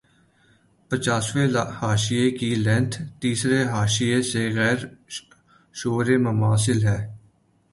پچاسویں حاشیے کی لینتھ تیسرے حاشیے سے غیر شعوری مماثل ہے